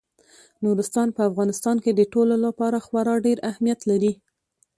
نورستان په افغانستان کې د ټولو لپاره خورا ډېر اهمیت لري.